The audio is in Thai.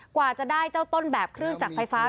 กว่าจะได้เจ้าต้นแบบเครื่องจักรไฟฟ้า